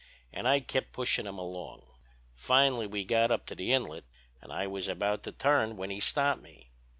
And I kept pushing him along. Finally we got up to the Inlet, and I was about to turn when he stopped me.